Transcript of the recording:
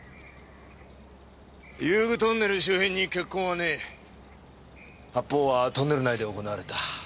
遊具トンネル周辺に血痕はねえ。発砲はトンネル内で行われた。